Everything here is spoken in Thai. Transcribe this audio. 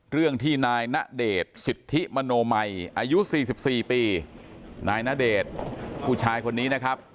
เรื่องที่นายณเดชน์สิทธิมโนมัยอายุ๔๔ปีนายณเดชน์ผู้ชายคนนี้นะครับ